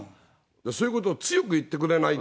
そういうことを強く言ってくれないと。